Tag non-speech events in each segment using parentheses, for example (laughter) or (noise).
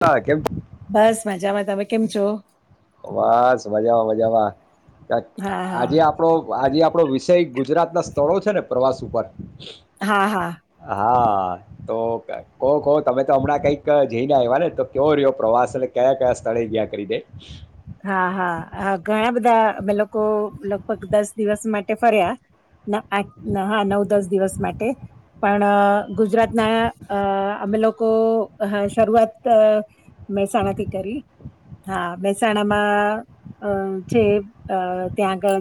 હા કેમ બસ મજામાં તમે કેમ છો? બસ મજામાં મજામાં, હા આજે આપડો આજે આપડો વિષય ગુજરાત ના સ્થળો છે ને પ્રવાસ ઉપર? હા હા. હા તો કહો કહો તમે તો હમણાં કઈક જઈને આવ્યા ને તો કયો રહ્યો પ્રવાસ એ કયા કયા તળે ગયા કરી દે. હા હા ઘણા બધા અમે લોકો લગભગ દસ દિવસ માટે ફર્યા ના આઠ હા નવ દસ દિવસ માટે પણ ગુજરાત ના અ અમે લોકો શરૂઆત મહેસાણાથી કરી હા મહેસાણામાં અ છે અ ત્યાં આગળ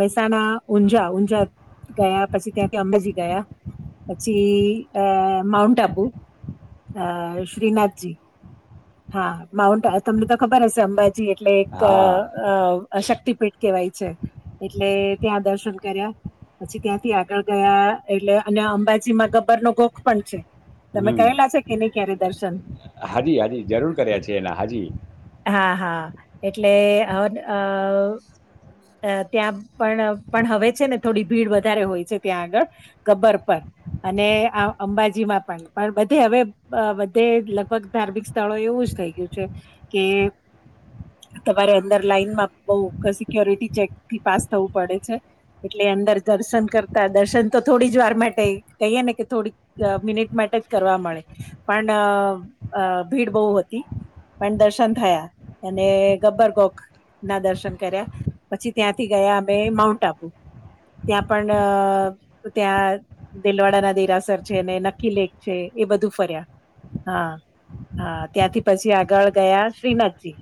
મહેસાણા ઊંઝા ઊંઝા ગયા, પછી ત્યાંથી અંબાજી ગયા, પછી અ માઉન્ટ આબુ અ શ્રીનાથજી હા માઉન્ટ તમને તો ખબર હશે અંબા જી એટલે એક અ હા અ શક્તિપીઠ કેહેવાય છે એટલે ત્યાં દર્શન કર્યા. પછી ત્યાંથી આગળ ગયા એટલે અને અંબાજી માં ગબ્બર નો ગોખ પણ છે. તમે હમ કહેલા છે કે નહી ક્યારે દર્શન? હાજી હાજી જરૂર કરયા છે એના હાજી. હા હા એટલે હન આ અ ત્યાં પણ પણ હવે છે ને થોડી ભીડ વધારે હોય છે ત્યાં આગળ ગબ્બર પર. અને આ અંબાજીમાં પણ પણ બધે હવે બધે લગભગ ધાર્મિક તળો એવું જ થઈ ગયું છે કે તમારે અંદર લાઇનમાં બવ સિક્યોરિટી ચેકથી પાસ થવું પડે છે. એટલે અંદર દર્શન કરતા દર્શન તો થોડી જ વાર માટે કહીએ ને કે થોડીક મિનિટ માટે ટે કરવા મળે પણ ભીડ બહુ હતી. પણ દર્શન થયા અને ગબ્બરકોક ના દર્શન કર્યા પછી ત્યાંથી ગયા અમે માઉન્ટ આબુ. ત્યાં પણ અ ત્યાં દિલવાડા ના દેરાસર છે અને નકીલેેક છે એ બધું ફર્યા. હા. હા ત્યાંથી પછી આગળ ગયા શ્રીનાથજી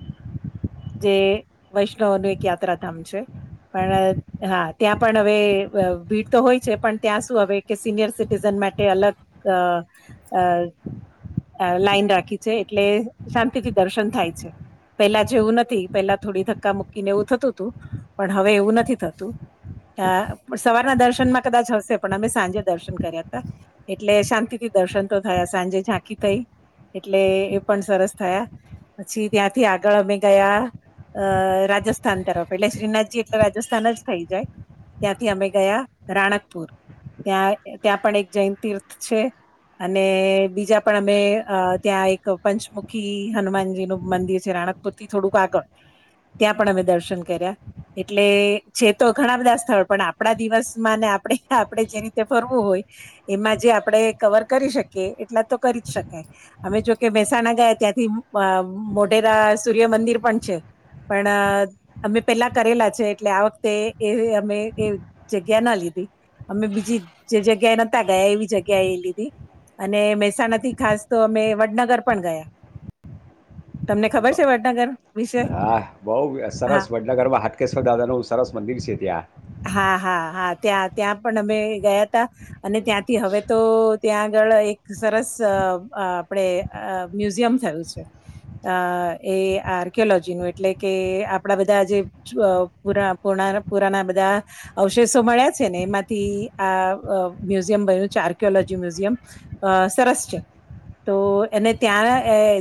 જે વૈષ્ણવનું એક યાત્રાધામ છે પણ હા ત્યાં પણ હવે ભીડ તો હોય છે પણ ત્યાં શું હવે કે સિનિયર સિટીન માટે અલગ લાઈન રાખી છે એટલે શાંતિથી દર્શન થાય છે પેલા જેવું નથી પેલા થોડી ધક્કા મુૂકીને એવું થતું હતું પણ હવે એવું નથી થતું અ સવારના દર્શન માં કદાચ હશે પણ અમે સાંજે દર્શન કર્યા હતા એટલે શાંતિથી દર્શન તો થયા સાંજે ઝાંકી થઈ એટલે એ પણ સરસ થયા પછી ત્યાંથી આગળ અમે ગયા અ રાજસ્થાન તરફ એટલે શ્રીનાથજી એટલે રાજસ્થાન જ થઈ જાય ત્યાંથી અમે ગયા રાણકપુર ત્યાં ત્યાં પણ એક જૈન તીર્થ છે અને બીજા પણ અમે ત્યાં એક પંચમુખી હનુમાનજી નું મંદિર છે રાણકપુર થી થોડુંક આગળ ત્યાં પણ અમે દર્શન કર્યા એટલે છે તો ઘણા બધા સ્થળ પણ આપણા દિવસમાં આપ આપણે જે રીતે ફરવું હોય એમાં જે આપણે કવર કરી શકીએ એટલા તો કરી જ શકીએ અમે જોકે મહેસાણા ગયા ત્યાંથી મોઢેરા સૂર્યમંદિર પણ છે પણ અમે પેલા કરેલા છે એટલે આ વખતે એ અમે એ જગ્યા ના લીધી અમે બીજી જે જગ્યાએ નહોતા ગયા એવી જગ્યાએ એ લીધી અને મહેસાણાથી ખાસ તો અમે વડનગર પણ ગયા તમને ખબર છે બ- વડનગર વિશે હા બહુ હા સરસ વડનગર માં હાટકેશ્વર દાદાનું સરસ મંદિર છે ત્યાં હા હા હા ત્યાં ત્યાં પણ અમે ગયા ત અને ત્યાંથી હવે તો ત્યાં ળ એક સરસ આપડે મ્યુઝિયમ થયું છે અ એ આર્કિયોલોજી નું એટલે કે આપણા બધા જે પૂ પુરાના બધા અવશેષો મળ્યા છે ને એમાંથી આ મ્યુઝિયમ બન્યું છે આર્કલોજી મ્યુઝિયમ અ સરસ છે તો એને ત્યાં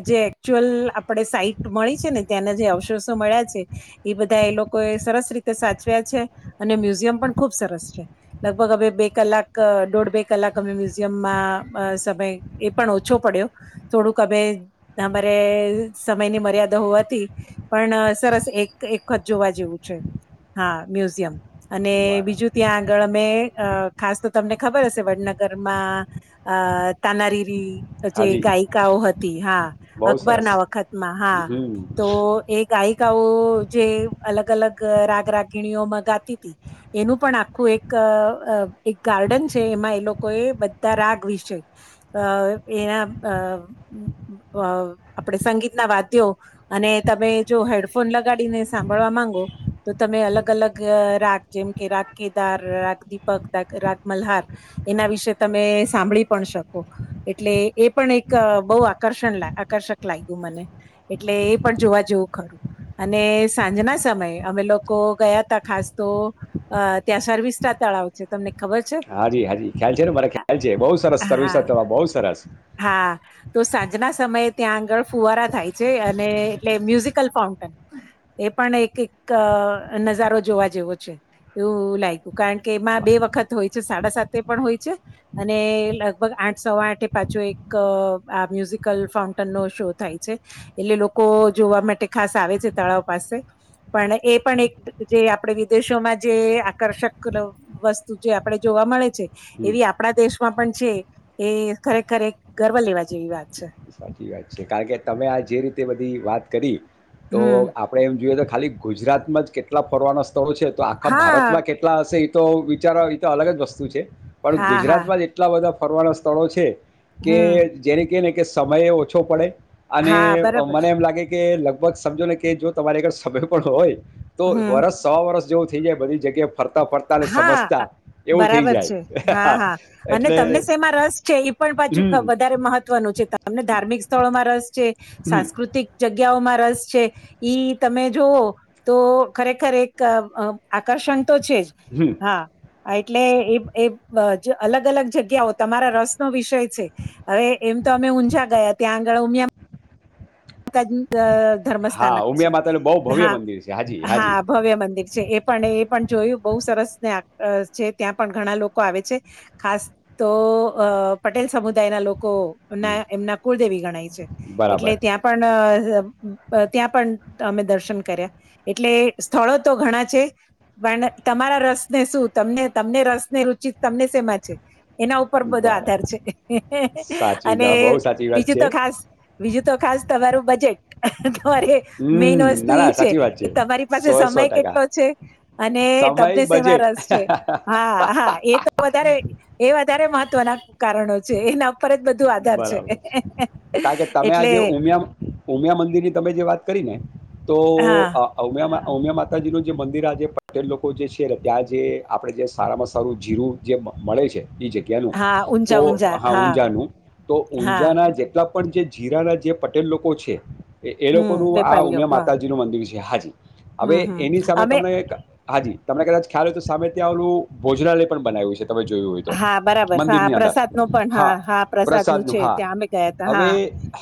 જે એકચુઅલ આપણે સાઈટ મળી છે ને ત્યાંના જે અવશેષો મળ્યા છે એ બધા એ લોકો એ સરસ રીતે સાચવ્યા છે અને મ્યુઝિયમ પણ ખુબ સરસ છે લગભગ અમે બે કલાક દોઢ બે કલાક અમે મ્યુઝિયમમાં સમય એ પણ ઓછો પડ્યો થોડુંક અમે અરે સમય ની મર્યાદા હોવાથી પણ સરસ એકત જોવા જેવું છે હા મ્યુઝિયમ અને બરાબર બીજું ત્યાં આગળ અમે ખાસ તો તમને ખબર હશે વડનગરમાં અ તાનારીરી જે હાજી ગાયિકાઓ હતી હા. બહુ અકબર સરસ ના વખતમાં હા હમ તો એાય જે અલગ અલગ રાગરાગ ઘણીઓમાં ગાતી હતી એનું પણ આખું એક ગાર્ડન છે એમાં એ લોકો એ બા રાગ વિશે એના આપણે સંગીતના વા્યો અને તમે જો હેડફોન લગાડીને સાંભળવા માંગો તો તમે અલગ અલગ રાગ જેમ કે રાગ કેદાર રાગ દીપક રાગ મલ્હાર એના વિશે તમે સાંભળી પણ શકો એટલે એ પણ એક બહ આકર્ષણ આકર્ષક લાગ્યું મને એટલે એ પણ જોવા જેવું ખરું અને સાંજના સમયે અમે લોકો ગયા ત ખાસ તો ત્યાં સર્વિસા તળાવ છે તમને ખબર છે હાજી હાજી ખ્યાલ છે ને મારે ખ્યાલ છે બહુ સરસ હા સર્વિસ બહુ સરસ હા તો સાંજના સમયે ત્યાં આગળ ફુવારા થાય છે અને એટલે મ્યુઝિકલ ફાઉ એ પણ એક એક નજારો જોવા જેવો છે એવું લાગ્યું કારણ કે એમાં બે વખત હોય છે સાડા સાતે પણ હોય છે અને લગભગ આઠ સવા આઠ પાછો એક આ મ્યુઝિકલ ફાઉન્ટન નો શો થાય છે એટલે લોકો જોવા માટે ખાસ આવે છે તળાવ પાસે પણ એ પણ એક જે આપણે વિદેશોમાં જે આકર્ષક વસ્તુ જે આપણે જો જોવા મળે છે. હમ. એવી આપણા દેશમાં પણ છે એ ખરેખરે એક ગર્વ લેવા જેવી વાત છે. વાત છે. કારણ કે તમે આ જે રીતે બધી વાત કરી તો હમ આપણેે એમ જોઈએ તો ખાલી ગુજરાતમાં જ કેટલા ફરવાનાં સ્થળો છે. તો આખા હા ભારતમાં કેટલા હશે એ તો વિચારો એ તો અલગ જ વસ્તુ છે. પણ હા હા ગુજરાતમાં જ એટલા બધા ફરવાના સ્થળો છે કે હમ જેને કે ને કે સમયેય ઓછો પડે, અને હા બરાબર મને છે એમ લાગે કે લગ ભગ સમજો ને કે, જો તમારી કણ સમય પણ હોય, તો હમ વરસ સો વર્ષ જેવું થઈ જાય બધી જગ્યા હા થઈ બરાબર છે. હા જાય હા અને એટલે તમને શમાં રસ છે. એ પણ હમ પાછું વધારે મહત્વનું છે. તમને ધાર્મિક સ્થળોમાં રસ છે. હમ સાંસ્કૃતિક જગ જગ્યાઓમાં રસ છે. ઈ તમે જોઓ તો ખરેખર એક અ આકર્ષણ તો છે. જ હમ હા એટલે એ એ અ અલગ અલગ જગ્યાઓ તમારા રસનો વિષય છે. એ એમ તમે ઊંઝા ગયા ત્યાં આગળ ઉમિયા (inaudible) અ ધર્મસ્થાનક હા છે. ઉમિયા માતાનું બહુ ભવ્ય હા મંદિર છે હાજી હાજી હા ભવ્ય મંદિર છે. એ પણ એ પણ જોયું બહુ સરસ ને અ છે. ત્યાં પણ ઘણા લોકો આવે છે. ખાસ તો અ પટેલ સમુદાયના લોકો હમ, ના એમના કુળદેવી ગણાય છે. એટલે બરાબર ત્યાં પણ અ ત્યાં પણ અમે દર્શન કર્યા એટલે સ્થળો તો ઘણા છે. પણ તમારા રસ ને શું તમને તમને રસ ને રુચિ તમને શેમાં છે? એના ઉપર બધો બરાબર આધાર છે. સાચી અને ના બહુ સાચી વાત બીજું તો છે ખાસ બીજું તો ખાસ તમારું બજેટ. અરે મેન હમ વસ્તુ ના એ ના છે, સાચી વાત કે તમારી પાસે સો સો સમય ટકા કેટલો છે. અને સમય તમને શેમાં બજેટ રસ છે છે. હા હા એ તો વધારે એ વા વધારે મહત્વના કારણો છે, એના પર જ બધું આધાર છે. કારણ કે તમે એટલે આજે ઉમિયા ઉમિયા મંદિરની તમે જે વાત કરી ને તો હા અ ઉમિયામાં ઉમિયા માતાજીનું જે મંદિર આ જે પટે્યન લોકો જે છે ત્યાં જે આપડે જે સારામાં સારું જીરું જે મળે છે એ જગ્યાનું. હા તો ઊંઝા ઊંઝા હા ઊંઝાનું. તો હા ઊંઝાના જેટલા પણ જે જીરાના જે પટેલ લોકો છે, એ હમ લોકોનું આ વેપારીઓ ઉમિયા હા માતાજીનું મંદિર છે. હાજી. હવે હમ હમ એની સામે અમે તમને એક હાજી, તમે કદાચ ખ્યાલ હોય તો સામે ત્યાં આવલું ભોજનાલય પણ બનાવ્યું છે. તમે જોયું હોય તો. હા બરાબર હા મંદિરની અંદર. પ્રસાદ નો પણ હા. પ્રસાદ નું પ્રસાદનું. છે હા. ત્યાં અમે ગયા તા હવે હા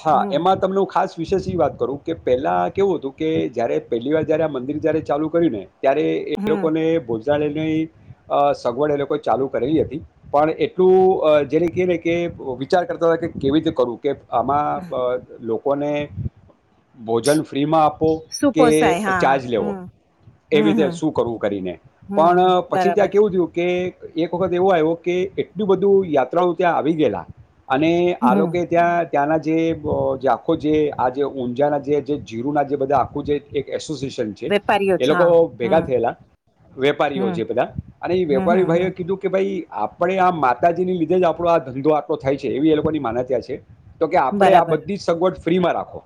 હા હમ એમાં તમનું ખાસ વિશેષ એ વાત કરું કે પહેલાં કેવું હતું, કે જ્યારે પહેલીવાર જ્યારે આ મંદિર જ્યારે ચાલુ કર્યું ને ત્યારે એ હમ લોકોને ભોજનાલયની અ સગવડ એ લોકો ચાલુ કરેલી હતી પણ એટલું અ જેને કેને કે વિચાર કરતા હોય કે, કેવી રીતે કરવું કે આમાં અ હમ. લો લોકોને ભોજન ફ્રીમાં આપો કે સુપોસાય હા હા ચાર્જ લેવો. હમ એવી હમ રીતે હમ શું કરવું કરીને હમ પણ હમ પછી બરાબર ત્યાં છે કેવું થયું કે, એક વખત એવો આવ્યો કે એટલું બધું યાત્રાળુ ત્યાં આવી ગયેલા, અને આ હમ લોકોએ ત્યાં ત્યાંના જે અ જે આખો જે આ જે ઊંઝાના જે જે જીરુના જે બધા આખું જે એક એસ (inaudible) છે વેપારીઓ એ છે લોકો હા ભેગા હમ થયેલા, વેપારીઓ છે હમ એ બધા. અને એ હમ વેપારી હમ ભાઈઓ કીધું કે ભાઈ આપણે આ માતાજીને લીધે જ આપણો આ ધંધો આટલો થાય છે. એવી એ લોકોની માન્યતા છે. તો કે હમ આપડે આ બરાબર બધી જ સગવડ ફ્રીમાં રાખો.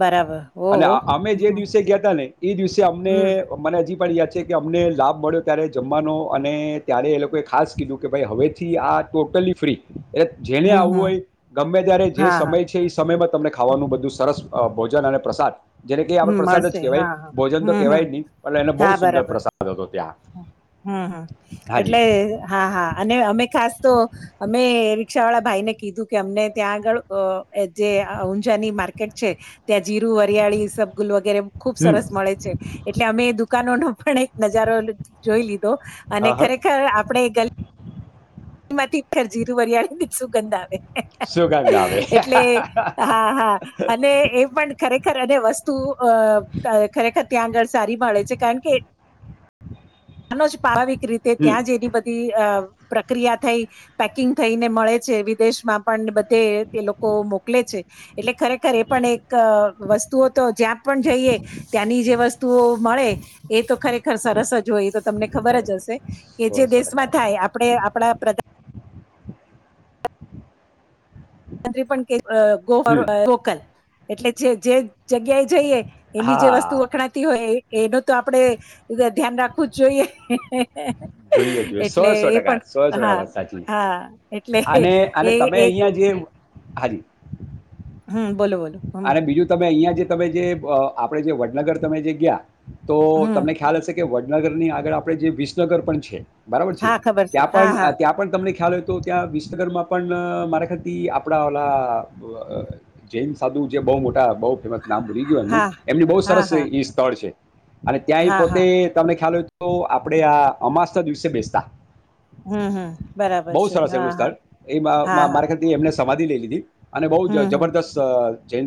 બરાબર અને ઓહો અ-અમે જે હમ દિવસે ગયાતા ને એ દિવસે અમને હમ મને હજી પણ યાદ છે કે, અમને લાભ મળ્યો ત્યારે જમવાનો અને ત્યારે એ લોકોએ ખાસ કીધું કે ભાઈ હવેથી આ ટોટલી ફ્રી. એ જેને હમ આવવું હમ હોય ગમે ત્યારે જે હા હા સમય છે. એ સમયમાં તમને ખાવાનું બધું સરસ અ ભોજન અને પ્રસાદ જેને કે આપડે હમ પ્રસાદ જ મળશે કેહેવાય હા હા ભોજન તો હમ હમ કેવાય જ નહી. પણ એને બહુ હા સુંદર બરાબર પ્રસાદ હતો ત્યાં. હમ હમ હાજી એટલે હા હા અને અમે ખાસ તો અમે રિક્ષા વાળા ભાઈ ને કીધું કે અમને ત્યાં આગળ જે ઊંઝાની માર્કેટ છે ત્યા જીરું હરિયાળી સબગુલ વગેરે ખુબ હમ સરસ મળે છે એટલે અમે દુકાનો નો પણ એક નજારો જોઈ લીધો અને હા હા ખરેખર આપણેે ગ એમાંથી ઘર જીરું વરિયાળ ને શું ગંધ શું કામ આવે ના આવે એટલે હા હા અને એ પણ ખરેખ ખર અને વસ્તુ અ ખરેખર ત્યાં આગળ સારી મળે છે કારણ કે આનોજ પારાવિક રીતે હમ ત્યાં જ એની બધી અ પ્રક્રિયા થઈ પેકિંગ થઈને મળે છે વિદેશમાં પણ તે તે લોકો મોકલે છે એટલે ખરેખર એ પણ એક વસ્તુઓ તો જ્યાં પણ જઈએ ત્યાંની જે વસ્તુઓ મળે એ તો ખરે સરસ જ હોય તો તમને ખબર ખરે જ હશે કે સો જે સો ટકા દેશમાં વાત થાય સાચી. આપણે આપણા પણ હમ કેકલ એટલે જે જે જગ્યા એ જઈએ એની જે વસ્તુ હા વખણાતી હોય એ એનું તો આપણેે ધ્યાન રાખવું જ જોઈએ જોઈએ જોઈએ એટલે સોળસો એ ટકા પણ સોળસો હા ટકા વાત સાચી હા એટલે અને અને એ તમે એક અહિયાં જે હાજી હમ બોલો બોલો હમ અને બીજું તમે અહિયાં જે તમે જે આપડે જે વડનગર તમે જે ગયા તો હમ તમને ખ્યાલ હશે કે વડનગરની આગળ આપણે જે વિસનગર પણ છે બરાબર છે હા ખબર છે ત્યાં હા હા પણ ત્યાં પણ તમને ખ્યાલ હોય તો ત્યાં વિસનગરમાં પણ મારા ખાતી આપણા ઓલા જેમસ સાધું જે બહુ મોટા બહુ ફેમસ નામ ભૂલી ગયું એમનું હા એમની બહુ હા સરસ હા એ સ્થળ છે અને ત્યાંય હા પોતે હા તમને ખ્યાલ હોય તો આપણેે આ અમાસ ના દિવસે બેસતા હમ હમ બરાબર બહ છે સરસ હા એમલું હા સ્થળ એ હા હા મારા ખ્યાલથી એમને સમાધિ લઈ લીધી અને બહુ જ હમ હમ જબરદસ્ત જૈન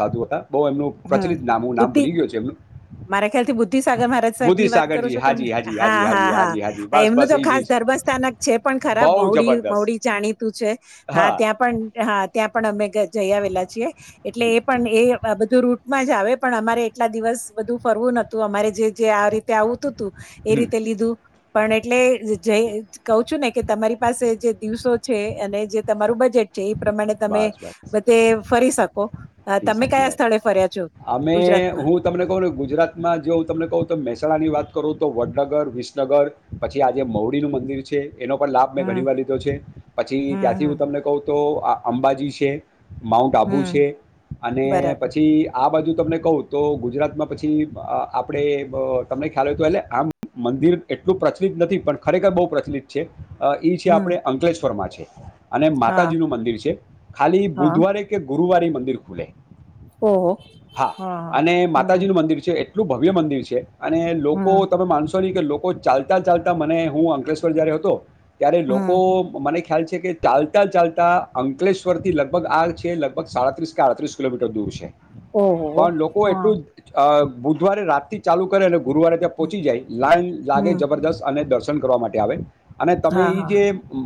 સાધુ હતા બહુ એમનું હમ પ્રચલિત નામું નામ બુદ્ધિ ભૂલી ગયું છે એમનું મારા ખ્યાલથી બુદ્ધિસાગર મહારાજ સાહેબ બુદ્ધિ ની વાત કરો સાગરજી છો તમે હાજી હાજી હાજી હા હા હાજી હાજી હાજી હા બસ એમનું બસ તો એ જ એ ખાસ જ ધર્મ સ્થાન છે પણ ખરાબ બહુ મોડી જબરદસ્ત મોડી જાણીતું છે હા ત્યાં પણ હા ત્યાં પણ અમે જઈ આવેલા છેએ એટલે એ પણ એ રૂટ માં જ આવે પણ અમારે એટલા દિવસ બધું ફરવું નહતું અમારે જે જે આ રીતે આવતું હતું એ હમ રીતે લીધું પણ એટલે કહ છું ને કે તમારી પાસે જે દિવસો છે અને જે તમારું બજેટ એ પ્રમાણે તમે બસ બસ બધે ફરી શકો એ તમે સાચી કયા વાત સ્થળે ફર્યા છો અમે ગુજરાતમાં હું તમને કહું ને ગુજરાતમાં જો તમને કહ તો મે મહેસાની વાત કરું તો વડનગર વિસનગર પછી આજે મૌડીનું મંદિર છે એનો પણ લાભ મેં હમ ઘણીવાર લીધો છે પછી હમ ત્યાંથી હું હમ તમને કહું તો આ અંબાજી છે માઉન્ટ આબુ હમ છે અને બરાબર પછી આ બાજુ તમને કહું તો ગુજરાતમાં પછી આપણે તમને ખ્યાલ હોય તો એટલે આમ મ દીર્ એટલું પ્રચલિત નથી પણ ખરેખર બહુ પ્રચલિત છે છે હમ આપણે અંકલેશ્વરમાં છે અને હા માતાજી નું મંદિર છે ખાલી હા બુધવારે કે ગુરુવારે મંદિર ખુલે ઓહો હા અને માતાજી નું મંદિર છે એ એટલું ભવ્ય મંદિર છે અને લોકો હમ તમે માનસો લોકો ચાલતા ચાલતા મને હું અંકલેશ્વર જયારે હતો ત્યારે હમ લોકો મને ખ્યાલ છે કે ચાલતા ચાલતા અંકલેશ્વર થી લગભગ આ છે લગભગ સાડત્રીસ ડત્રીસ કિલોમીટર દૂર છે ઓહો પણ લોકો હા એટલું બુધવારે રાત થી ચાલુ કરે અને ગુરુવારે ત્યાં પોહોંચી જાય લાઈન લાગે હમ જબરદસ્ત અને દર્શન કરવા માટે આવે અને તમે હા એ હા જે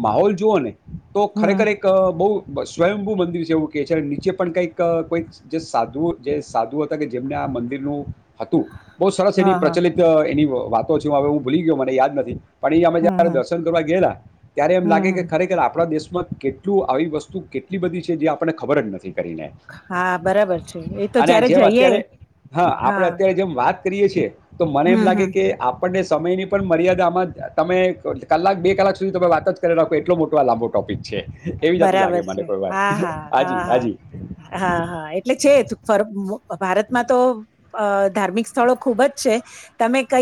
માહોલ જુઓ ને તો હમ ખરેખર એક બહ સ્વયંભૂ મંદિર છે એવું કેહે છે અને નીચે પણ કઈક કોઈક જે સાધુ જે સાધુ હતા કે જેમને આ મંદિરનુંું હતું બહ સરસ હા એની હા પ્રચલિત એની વાતો છે હ હું ભૂલી ગયો મને યાદ નથી પણ એ અમે હમ જયારે હમ દર્શન કરવા ગયેલા ત્યારે એમ લાગે હમ કે હમ ખરેખર આપણા દેશ માં કેટલું આવી વસ્તુ કેટલી બધી છે જે આપણને ખબર જ નથી હા બરાબર છે એ તો અને જયારે જેમ જઈએ અત્યારે હા આપણે અત્યારે જેમ વાત કરીએ છએ તો મને એમ હમ લાગે હમ કે આપ આપણને સમયની પણ મર્યાદા આમાં તમે કલાક બે કલાક સુધી તમે વાત જ કરી રાખો એટલો મોટો આ લાંબો ટોપિક છે એવી જાતું બરાબર લાગે છે મને કોઈ વાર હા હા હાજી હા હા હાજી હા હા એટલે છે ભારતમાં તો અ ધાર્મિક સ્થળો ખુબ જ છે તમે કઈ